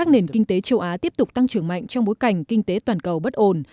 đông nam á tiếp tục tăng trưởng mạnh trong bối cảnh kinh tế toàn cầu bất ồn